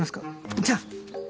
じゃあ！